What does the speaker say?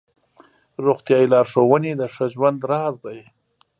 روغتیایي لارښوونې د ښه ژوند راز دی.